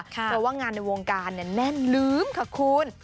เพราะว่างานในวงการแน่นลืมค่ะคุณ